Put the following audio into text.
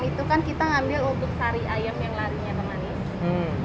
itu kan kita ngambil untuk sari ayam yang larinya ke manis